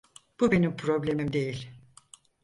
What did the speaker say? Bu benim problemim değil.